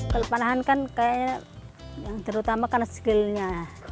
klub panahan kan kayaknya yang terutama kan skill nya